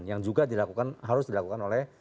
yang juga dilakukan harus dilakukan oleh